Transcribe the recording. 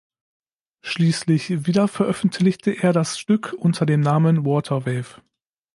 Schließlich wiederveröffentlichte er das Stück unter dem Namen "Water Wave".